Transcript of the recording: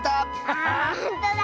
あほんとだ。